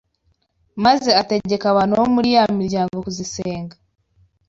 maze ategeka abantu bo muri ya miryango kuzisenga